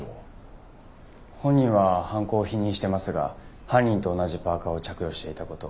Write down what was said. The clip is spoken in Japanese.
本人は犯行を否認してますが犯人と同じパーカを着用していた事